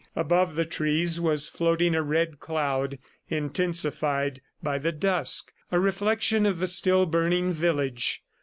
Above the trees was floating a red cloud, intensified by the dusk a reflection of the still burning village.